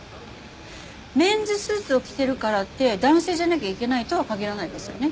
メンズスーツを着てるからって男性じゃなきゃいけないとは限らないですよね。